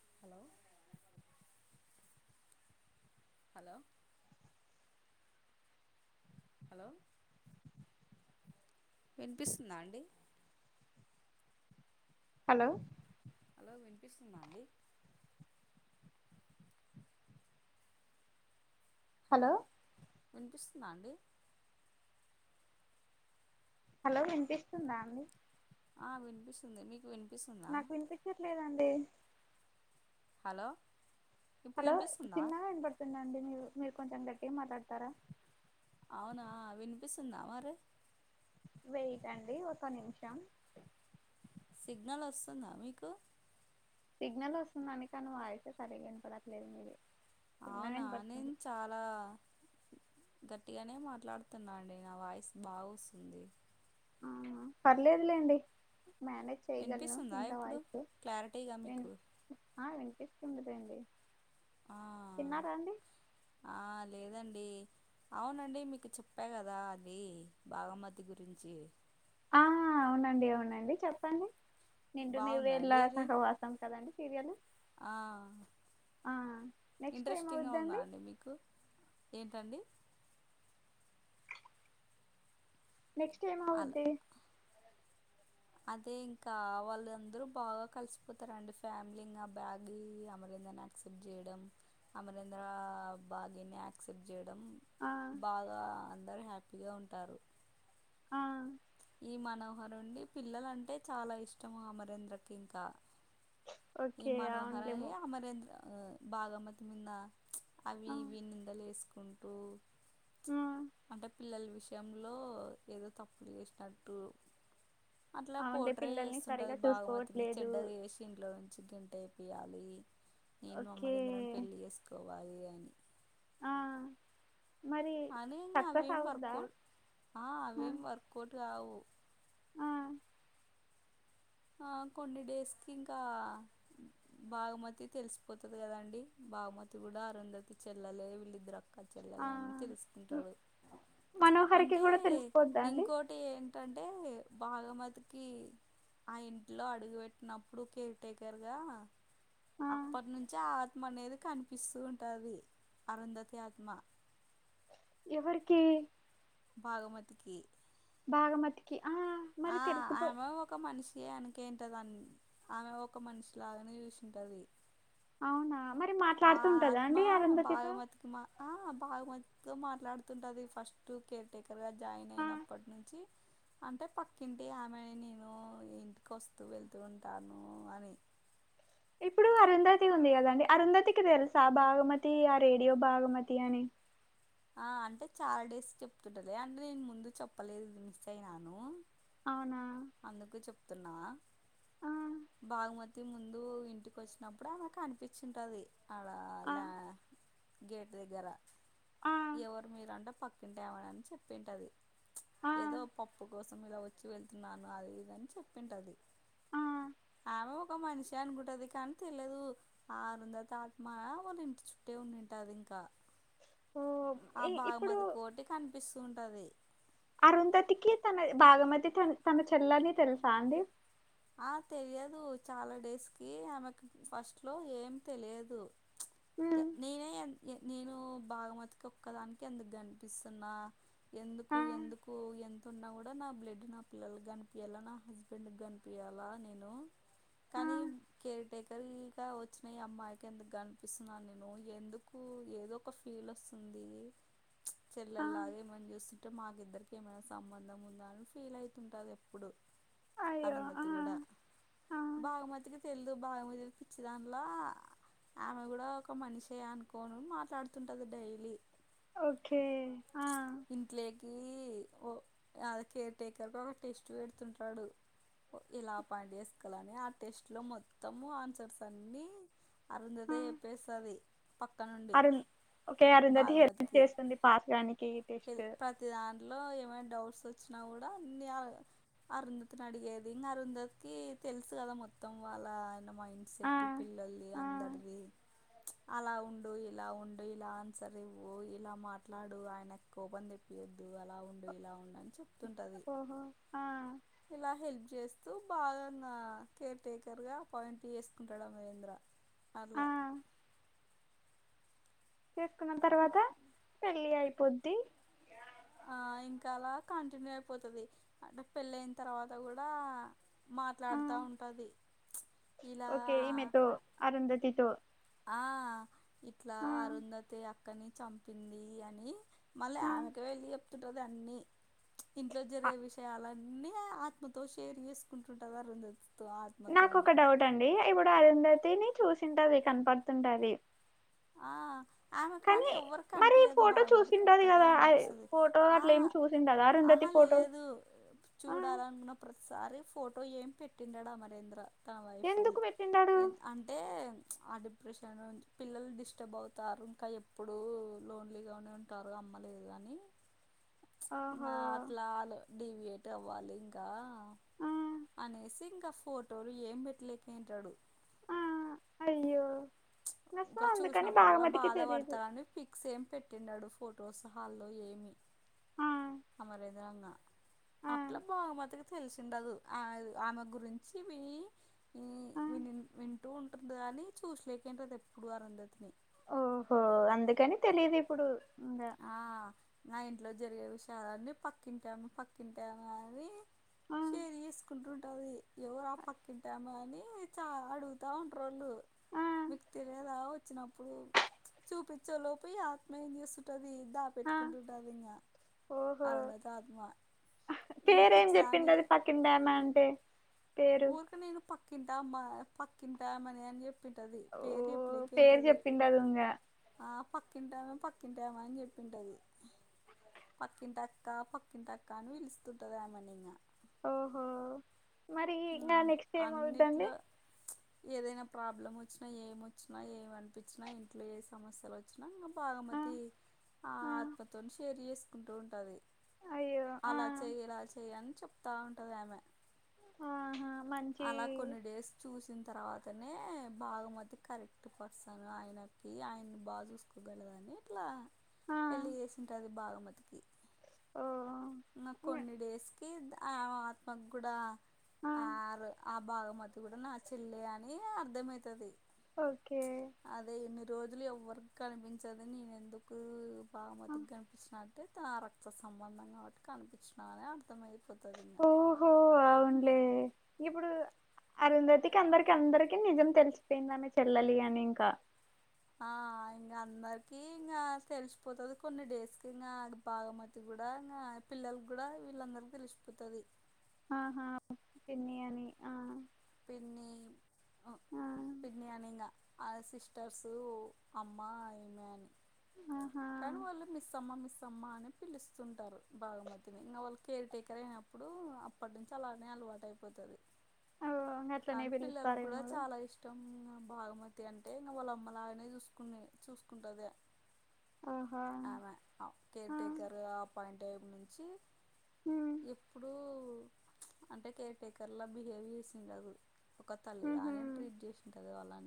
[inaudible] Hello hello వినిపిస్తుందా అండి hello hello వినిపిస్తుందా అండి హలో వినిపిస్తుందా అండి హలో వినిపిస్తుందా అండి ఆ వినిపిస్తుంది మీకు వినిపి నాకు వినిపించట్లేదండి హలో ఇప్పుడు హలో వినిపిస్తుందా చిన్నగా ఏన పడుతుందండి మీరు మీరు కొంచెం గట్టి మాట్లాడతారా అవునా వినిపిస్తుందా మరి వెయటండి ఒక నిమిషం సిగ్నల్ వస్తుందా మీకు సిగ్నల్ వస్తుందని కానీ వాయిసే సరి్గా వినపడట్లేదు మీరు అవునా నేను చాలా గట్టిగానే మాట్లాడుతున్నాండి నా వాయిస్ బాగా వస్తుంది ఆ పర్లేదులేండి మనేజ్ చేయగలలను వినిపిస్తుందా ఇంత ఇప్పుడు వైపు క్లారిటీగా మీకు వెంకష్ తండరండి ఆ తిన్నారా అండి అ అవునండి మీకు చెప్పా కదా అది బాగమతి గురించి ఆ అవునండి అవునండి చెప్పండి నింట బాగుందా నుీ్వేళ అండి అది సహ వాసాం కదండి సీరియల్ ఆ ఆ నెక్స్ట్ ఇంట్రెస్టింగ్గా ఉందా ఏమవుద్దండి అండి మీకు ఏంటండి నెక్స్ట్ టైమ్ అలా అవద్ది అదే ఇంకా వాళ్ళ అందరూ బాగా కలిసిపోతారంండి ఫ్యామిలీ ఇం బ్యాగ్ అమరి క్సెప్ట్ చేయడం అమరేంద్ర భాగ్యని క్సెప్ట్ చేయడం ఆ బాగా అందరు హ్యాపీగా ఉంటారు ఆ ఈ మనోహరుండి పిల్లలంటే చాలా ఇష్టం అమరేంద్రకి ఇంకా ఈ ఓకే మనోహర అవునులేమో అమరేంద్ర బాగమత మన్న అవి ఆ ఇవి నిందలు వేసుకుంటూ ఆ అంటే పిల్లల విషయంలో ఏదో తప్పుడు చే అట్టు అట్లా అవునులే పోట్ర పిల్లల్ని సరిగా చేస్తుంటుంది బాగమతిని చూసుకోవట్లేదు చెడ్డగా వసి ఇంట్లో ఉ మచ్చు గంట అయిపోయాలి నేను ఓకే మమ్మలింద్రాని పెళ్ళి చేసుకోవాలి అని ఆ మరి అను అం సక్సెస్ అవుద్దా వర్క్ౌ ఆ అవేం వర్క్ౌట్ కావు ఆ ఆ కొన్ని డేస్ కి ఇంకా బాగుమతి తెలిసిపోతుంది కదండి బాగుమతి కూడా అరుంధతి చెల్లే వళ్ళిద్ద్ర ఒక ఆ చెల్లెలని హ్మ్. తెలుసుకుంటాడు మనోహరికి అంటే కూడా తెలిసిపోద్దా అండి ఇంకోటి ఏ ంటంటే బాగమతికి ఆ ఇంట్లో అడుగు పెెట్టినప్పుడు కేర్ టేకర్గా ఆ అప్పటి నుంచి ఆ ఆత్మ అనేది కనిపిస్తూ ఉంటాది, అరుంధతి ఆత్మ. ఎవరికీ. బాగుమతికి. బాగమతికి, ఆ మరి తెలిసిపో. చేయాడానికి ఏంటది, ఆమె ఒక మనిషిలాగానే చేస్తాది. అవునా, మరి మాట్లాడుతూ ఉంటదా అండి అరంధతితో. భాగమతికి మా ఆ బాగుమతి తో మాట్లాడుతుంటది, ఫస్ట్ కేర్ టెక్. ఇందులో జాయిన్ ఆ అయినప్పటి నుంచి. అంటే పక్కింటి ఆమెని నేను, ఇంటికి వస్తూ వెళ్తూ ఉంటాను అని. ఇప్పుడు అరుంధతి ఉంది కదండి, అరుంధతికి దేల్స్ బాగమతి, ఆ రేడియో బాగమతి అని. ఆ అంటే చాలా డేస్ చెప్తుంటది అంటే నేను ముందు చెప్పలేదు మిస్ అయినాను. అవునా. అందుకు చెప్తున్నానా. ఆ బాగుమతి ముందు, ఇంటికి వొచ్చినప్పుడు అమెకు అనిపించ్చుంటది. ఆ గేట్ దగ్గర, ఆ ఎవరు మీరంట పక్కింటేమని చెప్పింటది. ఆ ఏదో పప్పు కోసం ఇలా వచ్చి వెళ్తున్నాను అది ఇదని చెప్పింటది. ఆ ఆమె ఒక మనిషి అనుకుంటది కాని తెలియదు, ఆరుందత ఆత్మ వాళ్ల ఇంటి చుట్టే ఉండింటారు. మరింకా. ఓ ఆ ఇ ఇప్పుడు బాగుమతి కోటి కనిపిస్తుంటది. అరుంధతికి తన బాగమతి తన చెల్లని తెలుసా అండి. ఆ తెలియదు చాలా డేస్ కి ఆమెకు ఫస్ట్ లో ఏం తెలియదు. త ఉమ్ ననే అంటే. నేను బాగమతికి ఒక్కదానికి ఎందుకు కనిపిస్తున్నా. ఎందుకు ఆ ఎందుకు ఎంతున్న ఉన్నా కూడా నా బ్లడ్ నా పిల్లలు గనిపయాల నా హస్బెండ్ గనిపి. ఇయాలా నేను. ఆ కానీ కేర్ టేకర గా, వచ్చిన ఈ అమ్మాయికి ఎందుకు కనిపిస్తున్నాను నేను ఎందుకు. ఆమెకు ఏదో ఒక ఫీల్ వస్తుంది. ఆ చెల్లల్ లాగా ఏమని చూస్తుంటే, మాకి ఇద్దరికి ఏమైనా సంబంధం ఉందా అని ఫీల్ అయితుంటది ఎప్పుడు. అయ్యో ఆ అరుంధతి కూడా, ఆ బాగుమతికి తెలుదు. బాగుమతి పిచ్చి దానిలా. ఆమె కూడా ఒక మనిషే, అనుకోను మాట్లాడుతుంటది డైలీ. ఓకే ఆ. ఏ ఓ అద కేర్ టేకర్ కోమో ఫిష్ పెడుతుంటాడు. ఇలా అపాయింట్ చేసుకోలని, ఆ టెస్ట్ లో మొత్తము ఆన్సర్స్ అన్నీ. ఆ అరుధతే, జెప్పేస్తది పక్కనుండి. ఒకే అరుంధతి హెల్ప్ చేస్తుంది పాప్యనికి. ప్రతి దాంట్లో ఏమైనా డౌ. ర్స్ వొచ్చినా కూడా, ఈ దే అరుంధతిని అడిగేది, ఉమ్ అరుంధతి, తెలుసు కదా మొత్తం. మొత్తం వాళ్ళ ఆయన మైండ్ ఆ సెట్, పిల్లలది ఆ అందరిది. అలా ఉండు, ఇలా ఉండు, ఇలా ఆన్సర్ ఇవ్వు ఇలా మాట్లాడు ఆయన. కోపం తెపియ్యడు. అలా ఉండు ఇలా ఉం అని చెప్తుంటది ఓహో ఆ ఇలా హెల్ప్. చేస్తూ బాగాన్న కేర్ టెకర్ గా అపాయింట్ చేసుకుంటాడు, అ మహేద్ర. అరళ్ల. ఆ చేసుకున్న తర్వాత పెళ్లి అయిపోద్ది. ఆ. ఇంకా అలా కంటిన్య అయిపోతది, అం, పెళ్ళయిన తర్వాత కూడా ఆ మాట్లాడత. అ ఉంటది. ఇలా ఓకే ఇమెతో, అరుంధతితో. ఆ ఇట్లా ఆ అరుంధతి అక్కని చంపింది అని మళ్ళీ ఆమెకి వెళ్ళి చెప్తుంటుంది అన్నీ ఇంట్లో ఆ జరిగే విషయాలన్నీ న్నే ఆత్మతో షేర్ చేసుకుంటుంటదా అరుంధతి నాకు ఒక డౌట్ అండి ఇప్పుడు అరుంధతిని చూసింటది కనపడుతుంటది ఆ ఆమె కానీ ఎవ్వరికి మరి కనిపించదు ఫోటో బాగమతికి చూసింటది ఒక్కటే కదా కనిపిస్తుది ఫోటో ఆ అట్లా ఏం చూసిండదా ఆహ అరుంధతి ఫోటో లేదు ఆ చూడాలనుకున్న ప్రతిసారి ఫోటో ఏం పెట్టిండు అమరేంద్ర తన వైఫ్ది ఎందుకు పెట్టిండాడు అంటే అ ప్రషా పిల్ [unintelligible] ఇష్ట అవుతారు ఇంకా ఎప్పుడూ లోన్లీగానే ఉంటారు అమ్మలేదు అని ఆహో నా అట్లాలు డడివియేట్ అవ్వాలి ఇంకా ఆ అనేసి ఇంకా ఫోటోలు ఏం పెట్టలేక తంటాడు ఆ అయ్యో సో ఇంకా అందుకని చూసినప్పుడల్లా భాగమతికి బాధ తెలీదు పడతారుని పిక్స్ ఏమి పెట్టిన్నాడు ఫొటోస్ హాల్లో ఏమి ఆ అమరేంద అన్న ఆ అట్లా బహుమతికి తెలిసిండదు ఆ ఆమె గురించి వి ఆ వింటూ ఉంటుంది అని చూసలేక ఏంటది ఎప్పుడు అరందతిని ఓహో అందుకని తెలిదు ఇప్పుడు ఇంగా ఆ నా ఇంట్లో జరిగే విషయాలన్నీ పక్కింటాము పక్కింటాము అని ఆ సరసుకుంట ర [unintelligible] ఉంటది ఎవరు పక్కింటామ అని చ అడుగుతా ఉంటోళ్ళు ఆ మీకు తెలియదా వచ్చినప్పుడు చూపించే లోపో ఆత్మీయం చేస్తు దా ఆ పెట్కుంటంటదంగా ఓహో అలాందదా అదిమా పేరేం చెప్పింట అది పకిన డ్యామా అంటే పేరు కనీ పకి టామా పకిన్ టమని ప్పంటది ఓ పేరు పేరు ఎప్పులకంటది చెప్పిండదు ఇంగా ఆ ప పక్కింటామ పక్కింటామా అని చెప్పింటది పక్కినంటక్క పక్కిన టక్క అని పిలుస్తుంటద ఆమ ని ఇకా ఓహో మరి ఇంకా నెక్స్ట్ ఏమ అవుద్దండి అన్నిట్లో ఏదైనా ప్రాబ్లం వచ్చినా ఏం వచ్చినా ఏమి అనిపించినా ఇంట్లో ఏ సమస్యలు వచ్చినా ఇంకా బాగా ఆ మతి ఆ ఆత్మతోని షేర్ చేసుకుంటూ ఉంటాది అయ్యో ఆ అలా చెయయి ఇలా చెయ్య అని చెప్తా ఉంటది ఆమె ఆహా మంచి అలా కొన్ని డేస్ చూసి వచ్చిన తర్వాతనే బాగ మధ్య కరెక్ట్ పర్సన్ ఆయనకి ఆయన బాగా చూసుకోగలదు ఇట్లా ఆ పెళ్ళి చేసింట అది బాగ మ ఓ ఇంగ, కొన్ని డేస్కి ఆ ఆత్మకు కూడా ఆ ఆరు ఆ బాగమతి కూడా నా చెల్లె అని అర్ధమవుతుది ఓకే రోజులు ఎవ్వరిక కనిపించదుని నేను ఎందుకు ఆ, బాగుమతిగా కనిపించిన అంటే తన రక్త సంబంధం కాబట్టి కనిపించిన అని అర్థమయిపోతుంది ఇంకా ఓహో అవునులే ఇప్పుడు అరుంధతికి అందరికి అందరికి నిజం తెలిసిపోయిందాన్న చెల్లలి అని ఇంకా ఆ ఇంకా అందరికి ఇంకా తెలిసిపోతుంది కొన్ని డేస్ కి ఇంకా బాగమతి కూడా కూడా ఇ పిల్లలు కూడా వీళ్ళందరిక తెలిసిపోతుది ఆహా కన్నియాని ఆ పి ఆ పని అనింగా సిస్టర్సు అమ్మ ఈమెే అని ఆహా కనీ వాళ్ళ మస్మ్మాస్ మ్మా అని పిలుస్తుంటారు బాగమతిని ఇంకా వాళ్ళ కేర్ టేకర్ అయినప్పుడు అప్పటి నుంచి అలానే వాటయిపోతుది ఓ ఇంగ అట్లనే కానీ పిల్లల కూడా పిలుస్తారేమో చాలా ఇష్టం బాగమతి అంటే ఇంకా వాళ్ళ అమ్మలాగానే చూసుకునే చూసుకుంటది ఆహా ఆమె ఆ ఆ కేర్టేకర్ గా పని టైబ్ నుంచి ఉమ్ ఎప్పుడూ అంటే కేర్ టేకర్ లా బిహేవ్ చేసింది అదు ఒక తల్లి ఉహు లానే ట్రీట్ చేసింటది వాళ్ళని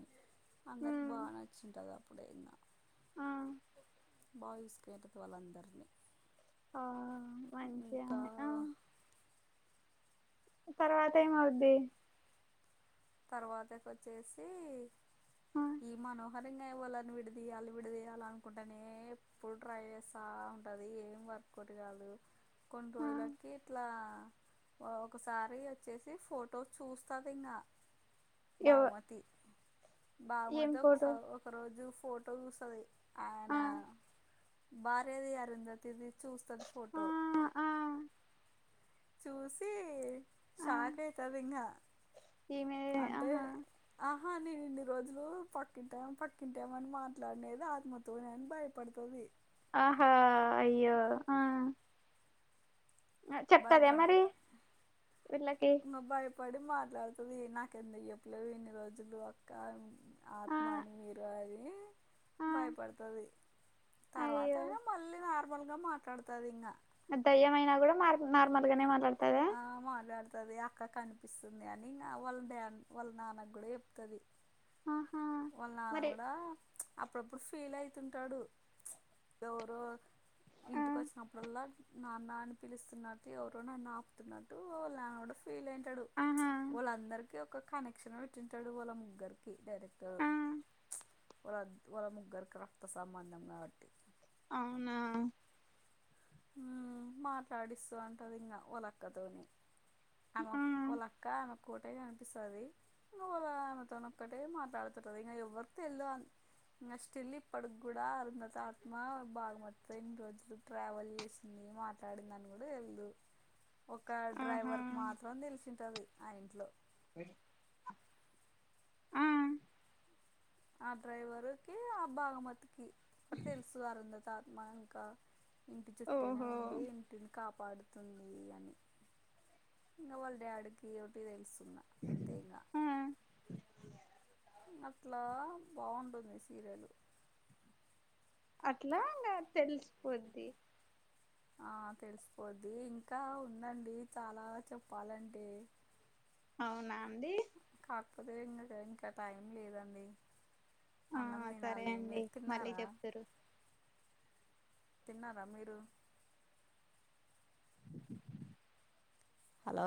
అందరికి ఉమ్ బాగా నచ్చింటదా ఆ బయూసుకేటతో వాళ్ళందరినీ ఆ మంచి ఇంకా ఆమె ఆ తర్వాత ఏమవుద్ది తర్వాతకి వచ్చేసి ఆ ఈమనో మరి వాళ్ళని విడిదీయాలి విడిదీయ్యాలి అనుకుంటేనే ఎప్పుడు ట్రై చేస్తా ఉంటది ఏం తక్వదిగాదు కొన్ని ఆ రోజులకి ఇట్లా ఒకసారి వచ్చేసి ఫోటో చూస్తాది ఇంకా ఎవ బాగ్ మతి బాగ్ ఏం మతి ఒకస ఫోటో ఒక రోజు ఫోటో చూస్తది ఆ ఆయన భార్యది అరుంధతిది చూస్తది ఆ ఫోటో ఆ చూసి ఆ షాక్ అయితది ఇంగా ఈమె అంటే ఆహా ఆహా నేన్ రోజులు పక్కింటాం పక్కింటాం అని మాట్లాడినేది ఆత్మతోనే అని భయపడతది ఆహా అయ్యో ఆ చెప్తదా భయపన్ మరి వీళ్ళకి పడి మాట్లాడుతది నాకు ఎందుకు చెప్పలేదు ఇన్ని రోజులు అక్క ఆ ఆత్మ అని మీరు అది ఆ భయపడతది తర్వాత అయ్యో అయినా మళ్ళీ నార్మల్ గా మాట్లాడుతది ఇంగా దయ్యమైనా కూడా మార్ నార్మల్ గానే మాట్లాడుతది ఆ మాట్లాడుతది అక్క కనిపిస్తుంది అని ఇంగా వాళ్ళ డ్యా వాళ్ళ నాన్న గూడా చెప్తది ఆహా వాళ్ళ నాన్న మరి కూడా అప్పుడప్పుడు ఫీల్ అయితుంటాడు ఎవరో ఆ ఇంటికి వచ్చినప్పుడల్లా నాన్న అని పిలుస్తున్నట్టు ఎవరో నన్ను ఆప్ తున్నట్టు లావుడ ఫీల్ అయితడు ఆహా వాళ్ళందరికి ఒక కనెక్షన్ పెట్టింటాడు వాళ్ళ ముగ్గురికి డైరెక్ట్ ఆ వాళ్ళ ముగ్గురికి రక్త సంబంధం కాబట్టి అవునా ఉమ్ మాట్లాడిస్తూ అంటది ఇంగా వాలక్కతోని ఆమె ఆ వాలాక్క క్కటే కనిపిస్తుంది ఇంగ వాళ్ళతోన ఒక్కటే మాట్లాడుతుంటది ఇంక ఎవ్వరి తెల్ళ ఇంగ స్టిల్ ఇప్పడు గూడా అరుంధతి ఆత్మా బాగు మత్తి ఇన్ని రోజులు ట్రావెల్ చేసింది మాట్లాడింద అని కూడా తెల్దు ఒక ఆహా డ్రైవర్ కు మాత్రం తెలిసింటది ఆ ఇంట్లో మే ఆ డ్రైవరు కి ఆ బాగమతికి ఒక తెలుసు అరుంధతి ఆత్మ మా ఇంకా ఇంటి చుట్టేనే ఓహో ఉంది ఇంటిని కాపా డుతుంది అని ఇంకా వాళ్ళ డాడ్కి ఒకటి తెలుసు న్నా అంతే ఇంగా ఆ అట్లా బాగుంటుంది సీరియలు అట్లా ఇంగా తెలిసిపోద్ది ఆ తెలిసిపోద్ది ఇంకా ఉందండి చాలా చెప్పాలంటే అవునా అండి తప్పతే ఇంక ఇంకా టైం లేదండి ఆ అన్నం సరే దినాలి అండి మీరు మళ్ళీ తిన్నారా? చెప్తురు తిన్నారా మీరు హలో